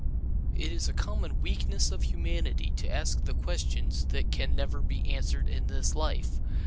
It is a common weakness of humanity to ask the questions that can never be answered in this life.